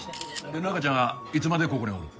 で中ちゃんはいつまでここにおるん？